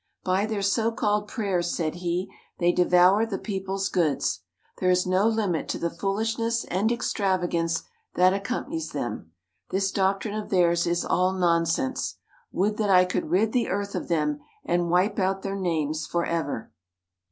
"By their so called prayers," said he, "they devour the people's goods. There is no limit to the foolishness and extravagance that accompanies them. This doctrine of theirs is all nonsense. Would that I could rid the earth of them and wipe out their names for ever."